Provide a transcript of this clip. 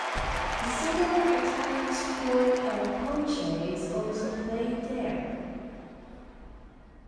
The similar Italian sport of bocce is also played there.